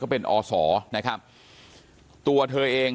ก็เป็นอสนะครับตัวเธอเองทำงานเป็นผู้ช่วย